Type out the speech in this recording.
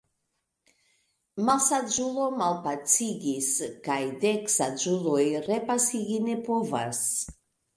Malsaĝulo malpacigis kaj dek saĝuloj repacigi ne povas.